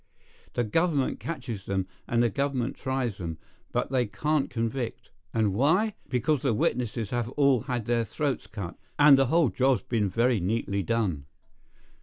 The government catches them and the government tries them, but they can't convict; and why?—because the witnesses have all had their throats cut, and the whole job's been very neatly done.